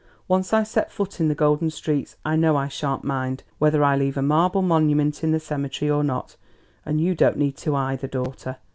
Once I set foot in the golden streets I know I sha'n't mind whether I leave a marble monument in the cemetery or not; and you don't need to either, daughter.